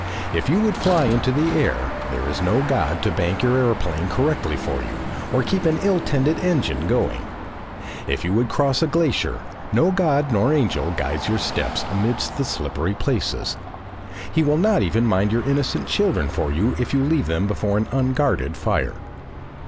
If you would fly into the air, there is no God to bank your aeroplane correctly for you or keep an ill tended engine going; if you would cross a glacier, no God nor angel guides your steps amidst the slippery places. He will not even mind your innocent children for you if you leave them before an unguarded fire.